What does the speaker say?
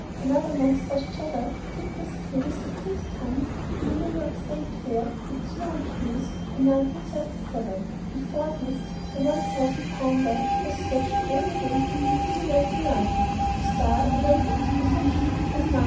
Another monstrous Cheddar tipped the scales at six tons in the New York State Fair at Syracuse in 1937. Before this, a one thousand pounder was fetched all the way from New Zealand to London to star in the Wembley Exposition of 1924.